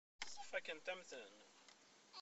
Fakkent-am-ten.